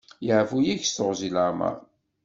Yeɛfu-yak s teɣwzi n leɛmeṛ.